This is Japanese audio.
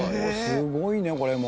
すごいねこれも。